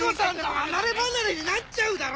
離れ離れになっちゃうんだよ。